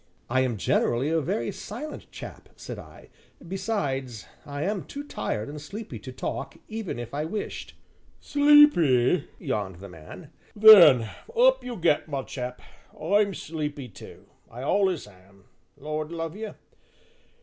"I am generally a very silent chap," said I; "besides, I am too tired and sleepy to talk, even if I wished " "Sleepy," yawned the man, "then up you get, my chap I'm sleepy too I allus am, Lord love ye!